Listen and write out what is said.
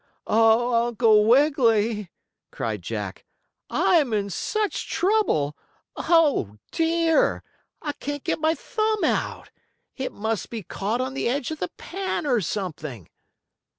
"Oh, Uncle Wiggily!" cried Jack. "I'm in such trouble. Oh, dear! I can't get my thumb out. It must be caught on the edge of the pan, or something!"